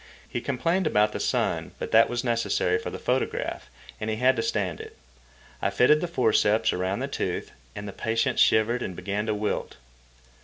He complained about the sun, but that was necessary for the photograph, and he had to stand it. I fitted the forceps around the tooth, and the patient shivered and began to wilt.